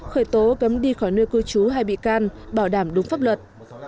khởi tố cấm đi khỏi nơi cư trú hai bị can bảo đảm đúng pháp luật